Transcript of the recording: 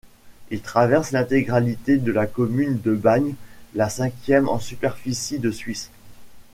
Il traverse l'intégralité de la commune de Bagnes, la cinquième en superficie de Suisse.